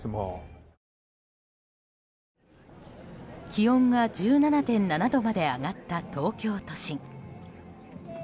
気温が１７．７度まで上がった東京都心。